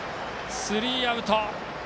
スリーアウト。